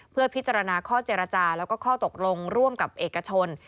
เพื่อพิจารณาข้อเจรจาแล้วก็ข้อตกลงร่วมกับเอกชน